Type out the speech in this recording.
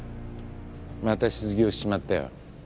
また失業しちまったよ。